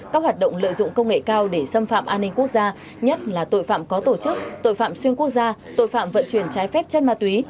các hoạt động lợi dụng công nghệ cao để xâm phạm an ninh quốc gia nhất là tội phạm có tổ chức tội phạm xuyên quốc gia tội phạm vận chuyển trái phép chân ma túy